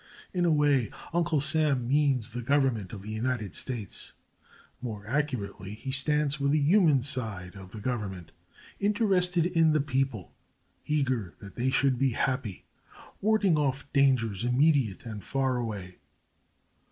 In a way, Uncle Sam means the Government of the United States more accurately he stands for the human side of the Government, interested in the people, eager that they should be happy, warding off dangers immediate and far away.